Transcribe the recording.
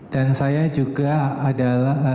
dan saya juga adalah